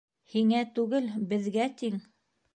Һиңә түгел, беҙгә тиң...